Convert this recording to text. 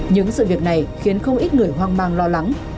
những sự việc này khiến không ít người hoang mang lo lắng